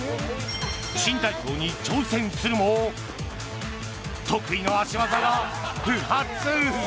新体操に挑戦するも得意の足技が不発！